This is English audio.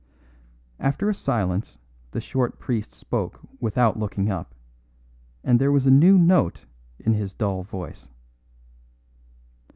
After a silence the short priest spoke without looking up, and there was a new note in his dull voice.